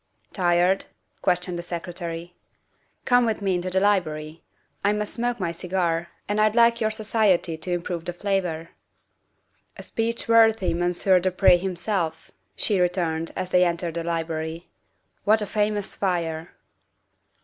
''" Tired?" questioned the Secretary. " Come with me into the library. I must smoke my cigar, and I'd like your society to improve the flavor." "A speech worthy Monsieur du Pre himself," she re turned as they entered the library. " "What a famous fire."